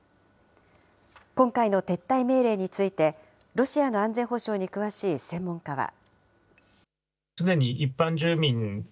今回の撤退命令について、ロシアの安全保障に詳しい専門家は。